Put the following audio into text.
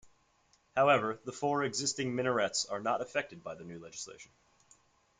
However, the four existing minarets are not affected by the new legislation.